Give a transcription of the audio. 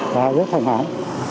và rất thoải mái